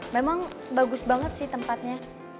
memang bagus banget sih tempatnya